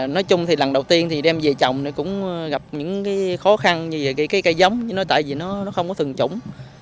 nói chung thì lần đầu tiên thì đem về trồng cũng gặp những khó khăn như cây giống tại vì nó không có thường trũng